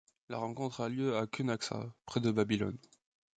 La rencontre a lieu à Cunaxa, près de Babylone.